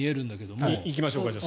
そこに行きましょうか。